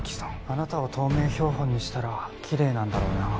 あなたを透明標本にしたらきれいなんだろうなあ。